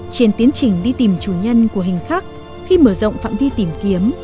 trên tiến trình đi tìm chủ nhân của hành khắc khi mở rộng phạm vi tìm kiếm